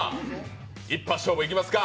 一発勝負いきますか。